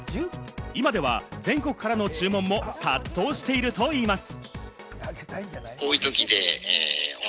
今では全国からの注文も殺到しているといいます。